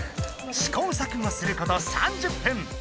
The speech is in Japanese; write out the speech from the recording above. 試行錯誤すること３０分。